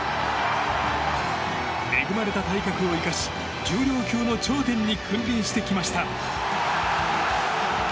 恵まれた体格を生かし重量級の頂点に君臨してきました。